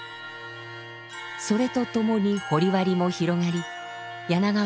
それとともに掘割も広がり柳川